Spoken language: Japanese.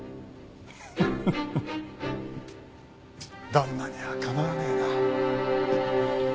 旦那にはかなわねえな。